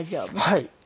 はい。